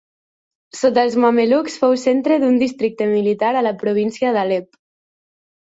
Sota els mamelucs fou centre d'un districte militar a la província d'Alep.